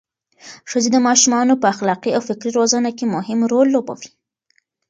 ښځې د ماشومانو په اخلاقي او فکري روزنه کې مهم رول لوبوي.